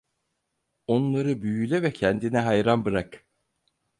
Onları büyüle ve kendine hayran bırak.